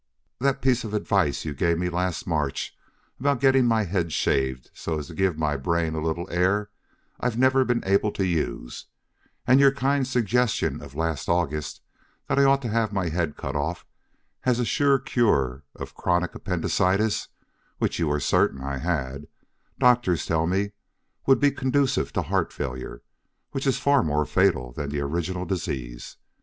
That piece of advice you gave me last March about getting my head shaved so as to give my brain a little air I've never been able to use, and your kind suggestion of last August, that I ought to have my head cut off as a sure cure of chronic appendicitis, which you were certain I had, doctors tell me would be conducive to heart failure, which is far more fatal than the original disease.